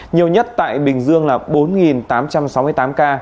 nhiều nhất tại bình dương là bốn tám trăm sáu mươi tám ca